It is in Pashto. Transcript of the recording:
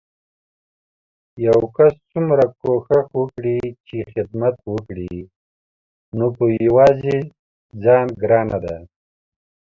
يو کس څومره کوښښ وکړي چې خدمت وکړي نو په يوازې ځان ګرانه ده